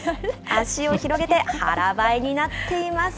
足を広げて腹ばいになっています。